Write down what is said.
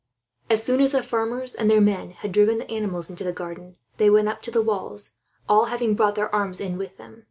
As soon as the farmers and their men had driven the animals into the garden, they went up to the walls, all having brought their arms in with them.